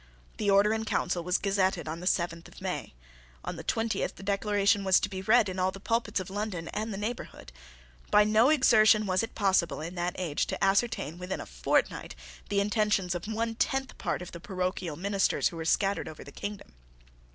The Order in Council was gazetted on the seventh of May. On the twentieth the Declaration was to be read in all the pulpits of London and the neighbourhood. By no exertion was it possible in that age to ascertain within a fortnight the intentions of one tenth part of the parochial ministers who were scattered over the kingdom.